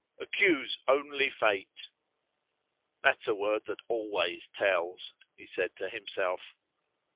Accuse only fate." "That's a word that always tells," he said to himself.